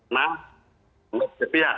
nah tidak sepihak